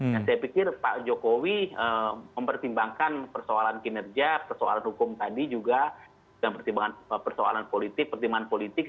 dan saya pikir pak jokowi mempertimbangkan persoalan kinerja persoalan hukum tadi juga dan persoalan politik pertimbangan politik